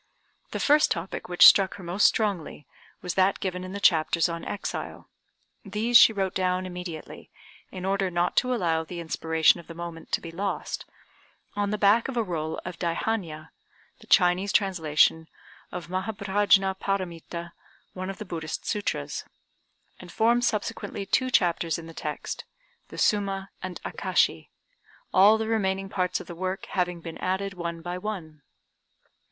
The first topic which struck her most strongly was that given in the chapters on exile. These she wrote down immediately, in order not to allow the inspiration of the moment to be lost, on the back of a roll of Daihannia (the Chinese translation of Mahâprajñâpâramitâ, one of the Buddhist Sûtras), and formed subsequently two chapters in the text, the Suma and Akashi, all the remaining parts of the work having been added one by one.